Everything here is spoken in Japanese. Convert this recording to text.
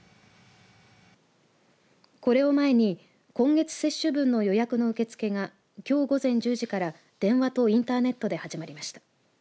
これを前に、今月接種分の予約の受け付けがきょう午前１０時から電話とインターネットで始まりました。